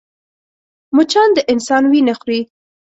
مچان د انسان وينه خوري